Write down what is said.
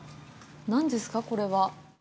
何ですか、これは。